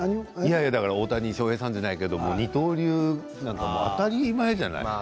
大谷翔平さんじゃないけれども、二刀流なんて当たり前じゃない。